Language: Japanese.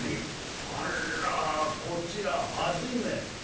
「あらこちら初めて？